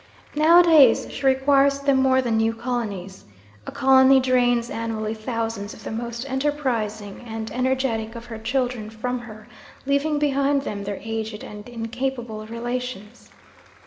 Nowadays she requires them more than new colonies. A colony drains annually thousands of the most enterprising and energetic of her children from her, leaving behind them their aged and incapable relations.